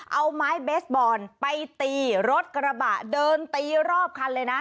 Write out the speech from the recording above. เอาไม้เบสบอลไปตีรถกระบะเดินตีรอบคันเลยนะ